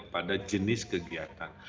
pada jenis kegiatan